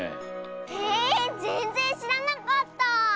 へえぜんぜんしらなかった！